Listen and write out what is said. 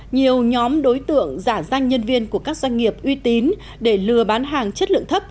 nhiều nhóm đối tượng giả danh nhân viên của các doanh nghiệp uy tín để lừa bán hàng chất lượng thấp